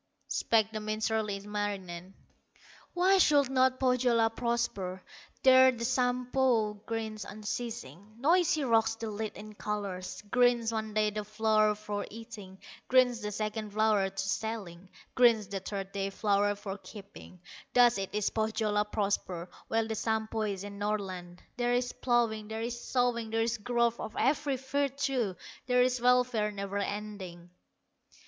Spake the minstrel, Ilmarinen: "Why should not Pohyola prosper? There the Sampo grinds unceasing, Noisy rocks the lid in colors; Grinds one day the flour for eating, Grinds the second flour for selling, Grinds the third day flour for keeping; Thus it is Pohyola prospers. While the Sampo is in Northland, There is plowing, there is sowing, There is growth of every virtue, There is welfare never ending."